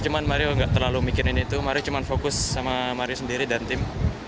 cuma mario tidak terlalu mikirkan itu mario cuma fokus sama mario sendiri dan tim